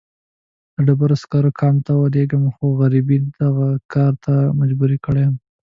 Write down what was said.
د ډبرو سکرو کان ته ولېږم، خو غريبۍ دغه کار ته مجبوره کړمه.